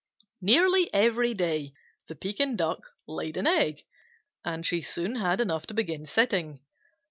Nearly every day the Pekin Duck laid an egg, and she soon had enough to begin sitting.